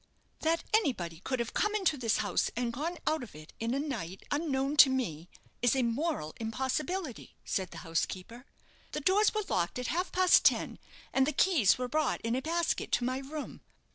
"That anybody could have come into this house and gone out of it in a night, unknown to me, is a moral impossibility," said the housekeeper; "the doors were locked at half past ten, and the keys were brought in a basket to my room.